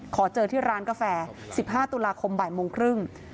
ขอเจอที่ร้านกาแฟ๑๕ตุลาคมบ่ายโมงครึ่ง